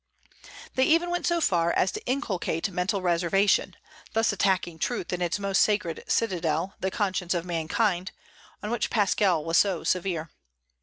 They even went so far as to inculcate mental reservation, thus attacking truth in its most sacred citadel, the conscience of mankind, on which Pascal was so severe.